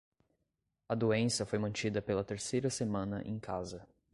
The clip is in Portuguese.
A doença foi mantida pela terceira semana em casa.